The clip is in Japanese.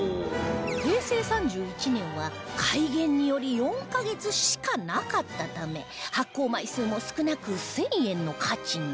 平成３１年は改元により４カ月しかなかったため発行枚数も少なく１０００円の価値に